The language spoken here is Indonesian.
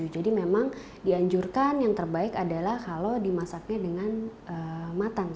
jadi memang dianjurkan yang terbaik adalah kalau dimasaknya dengan matang